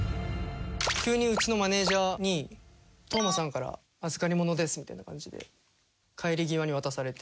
急にうちのマネジャーに「斗真さんから預かり物です」みたいな感じで帰り際に渡されて。